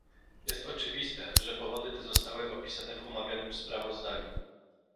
Jest oczywiste, że powody te zostały opisane w omawianym sprawozdaniu